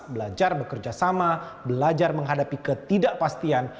belajar bekerja sama belajar menghadapi ketidakpastian